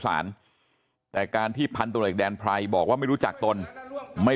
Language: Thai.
สารแต่การที่พันธุรกิจแดนไพรบอกว่าไม่รู้จักตนไม่